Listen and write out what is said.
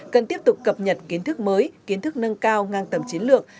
cần tiếp tục cập nhật kiến thức mới kiến thức nâng cao ngang tầm chiến lược